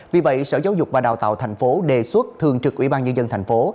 vì vậy sở giáo dục và đào tạo tp hcm đề xuất thường trực ủy ban nhân dân tp hcm